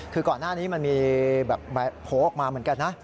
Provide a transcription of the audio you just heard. คือก่อนหน้านี้มันมีแบบโผล่ออกมาเหมือนกันนะ